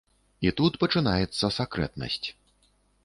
І тут пачынаецца сакрэтнасць.